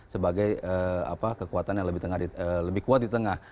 sebagai kekuatan yang lebih kuat di tengah